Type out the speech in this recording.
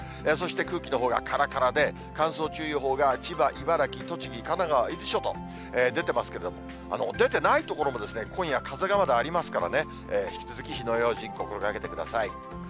そして、空気のほうがからからで、乾燥注意報が千葉、茨城、栃木、神奈川、伊豆諸島、出てますけれども、出てない所も、今夜、まだ風がありますからね、引き続き火の用心、心がけてください。